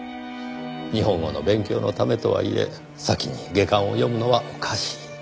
日本語の勉強のためとはいえ先に下巻を読むのはおかしい。